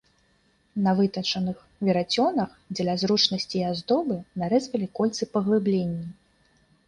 На вытачаных верацёнах дзеля зручнасці і аздобы нарэзвалі кольцы-паглыбленні.